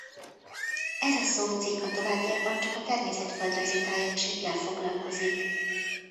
Ez a szócikk a továbbiakban csak a természetföldrajzi tájegységgel foglalkozik.